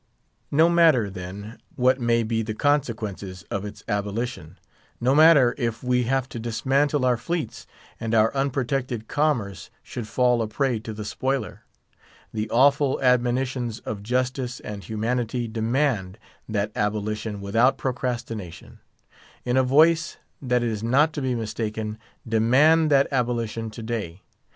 No matter, then, what may be the consequences of its abolition; no matter if we have to dismantle our fleets, and our unprotected commerce should fall a prey to the spoiler, the awful admonitions of justice and humanity demand that abolition without procrastination; in a voice that is not to be mistaken, demand that abolition today.